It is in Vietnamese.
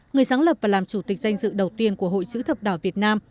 người sáng lập và làm chủ tịch danh dự đầu tiên của hội chữ thập đỏ việt nam